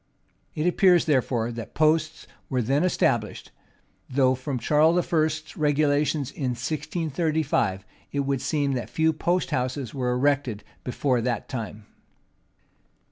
It appears, therefore, that posts were then established; though from Charles I.'s regulations in 1635, it would seem that few post houses were erected before that time.